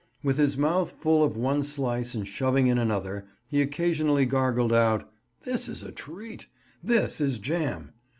With his mouth full of one slice and shoving in another, he occasionally gargled out, "This is a treat!" "This is jam!"